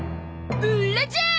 ブ・ラジャー！